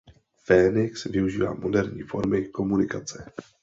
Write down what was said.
Fénix využívá moderní formy komunikace.